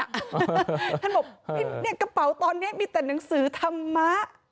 ท่านบอกกระเป๋าตอนนี้มีแต่หนังสือธรรมะ